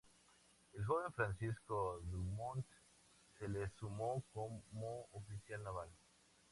El joven Francisco Drummond se le sumó como oficial naval.